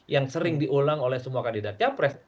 yang sering diulang oleh semua kandidat capres